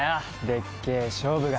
でっけえ勝負が。